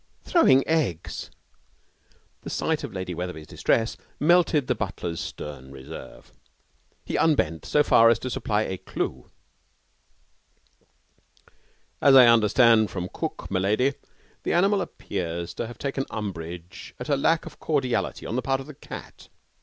'Throwing eggs!' The sight of Lady Wetherby's distress melted the butler's stern reserve. He unbent so far as to supply a clue. 'As I understand from cook, m'lady, the animal appears to have taken umbrage at a lack of cordiality on the part of the cat.